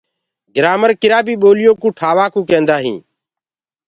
گرآمر ڪِرآ بي بوليو ڪيِ بنآوٽي ڪوُ ڪيندآ هينٚ۔